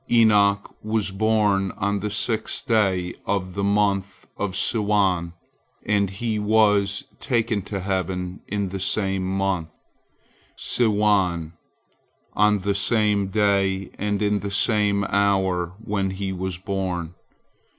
Enoch was born on the sixth day of the month of Siwan, and he was taken to heaven in the same month, Siwan, on the same day and in the same hour when he was born.